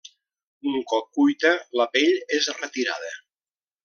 Un cop cuita, la pell és retirada.